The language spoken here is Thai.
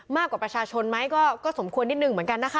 มากกว่าประชาชนไหมก็สมควรนิดนึงเหมือนกันนะคะ